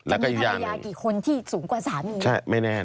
อ้าวจะมีภรรยากี่คนที่สูงกว่าสามีนี่อีกอย่างหนึ่ง